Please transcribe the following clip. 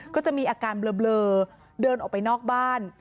ก็จะมีอาการเบลอเดินออกไปนอกบ้าน